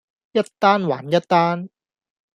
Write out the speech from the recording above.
一單還一單